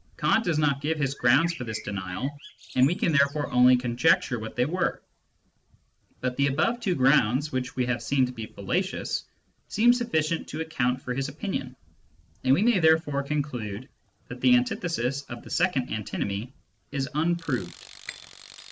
Kant does not give his grounds for this denial, and we can therefore only con jecture what they were. But the above two grounds, which we have seen to be fallacious, seem suflicient to account for his opinion, and we may therefore conclude that the antithesis of the second antinomy is unproved.